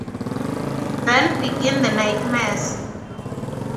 Then begin the nightmares.